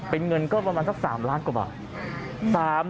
เป็นเงินก็ประมาณสัก๓ล้านกว่าบาท